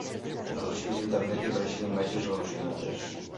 A l'arxiu d'Internet hi apareixen imatges relacionades.